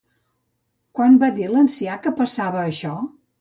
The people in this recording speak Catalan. Quan va dir l'ancià que passava això?